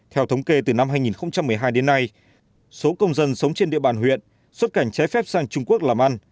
theo thống kê từ năm hai nghìn một mươi hai đến nay số công dân sống trên địa bàn huyện xuất cảnh trái phép sang trung quốc làm ăn